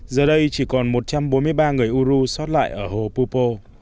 giờ đây chỉ còn một trăm bốn mươi ba người uru xót lại ở hồ pupo